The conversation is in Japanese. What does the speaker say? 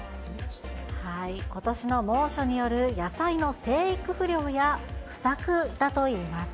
ことしの猛暑による野菜の生育不良や不作だといいます。